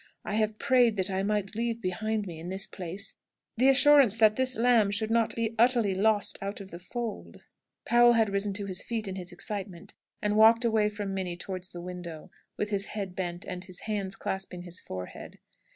I have prayed that I might leave behind me in this place the assurance that this lamb should not be utterly lost out of the fold." Powell had risen to his feet in his excitement, and walked away from Minnie towards the window, with his head bent, and his hands clasping his forehead.